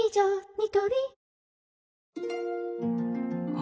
ニトリお？